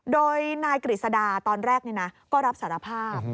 โดยนายกฤษดาตอนแรกก็รับสารภาพ